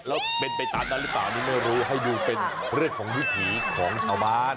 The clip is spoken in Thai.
แล้วเป็นไปตามนั้นหรือเปล่านี่ไม่รู้ให้ดูเป็นเรื่องของวิถีของชาวบ้าน